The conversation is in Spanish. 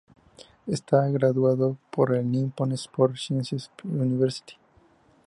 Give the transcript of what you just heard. Está graduado por el Nippon Sport Science University.